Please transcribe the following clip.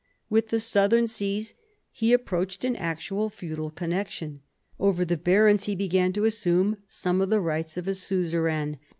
With the southern sees he approached an actual feudal connection. Over the barons he began to assume some of the rights of a suzerain.